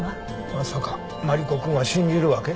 まさかマリコくんは信じるわけ？